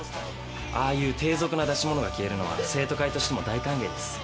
「ああいう低俗な出し物が消えるのは生徒会としても大歓迎です」